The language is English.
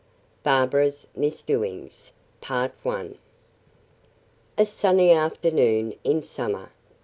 BARBARA'S MISDOINGS. A sunny afternoon in summer.